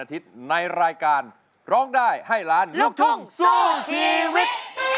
อาทิตย์ในรายการร้องได้ให้ลานลูกทุ่มสู้ชีวิต